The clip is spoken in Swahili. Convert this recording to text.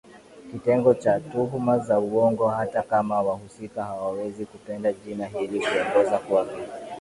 kitengo cha tuhuma za uongo hata kama wahusika hawawezi kupenda jina hili Kuongoza kwake